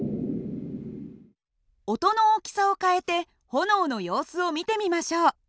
音の大きさを変えて炎の様子を見てみましょう。